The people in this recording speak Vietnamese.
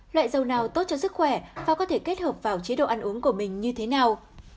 loại dầu nào tốt cho sức khỏe phao có thể kết hợp vào chế độ ăn uống của mình như thế nào